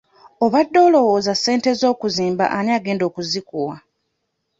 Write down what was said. Obadde olowooza ssente z'okuzimba ani agenda okuzikuwa?